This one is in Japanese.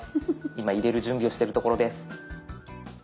今入れる準備をしてるところです。